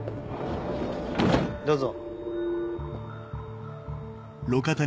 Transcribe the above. どうぞ。